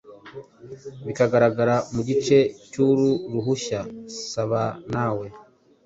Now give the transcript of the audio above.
bigaragara mugice cyuru ruhushya sabanawe